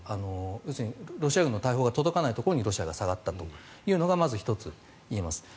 要するにロシア軍の大砲が届かないところにロシアが下がったというのがまず１つ言えます。